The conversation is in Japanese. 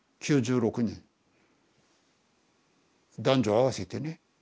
男女合わせてね。